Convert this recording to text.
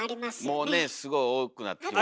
もうねすごい多くなってきました。